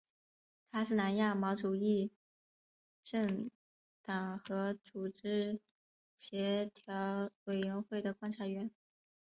它是南亚毛主义政党和组织协调委员会的观察员。